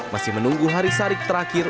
masih menunggu hari syarik terakhir